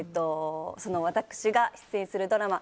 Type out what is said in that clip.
私が出演するドラマ